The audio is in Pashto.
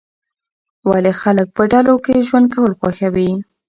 ولې خلک په ډلو کې ژوند کول خوښوي؟